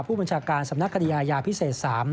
ผู้บัญชาการสำนักคดีอาญาพิเศษ๓